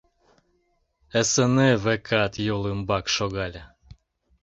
— Эсеней, векат, йол ӱмбак шогале.